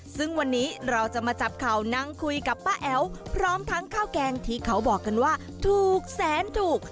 ซึ่งวันนี้เราจะมาจับเข่านั่งคุยกับป้าแอ๋วพร้อมทั้งข้าวแกงที่เขาบอกกันว่าถูกแสนถูก